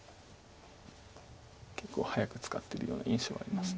結構早く使ってるような印象あります。